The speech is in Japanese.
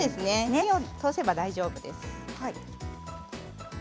火を通せば大丈夫です。